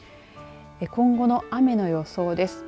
今後の雨の予想です。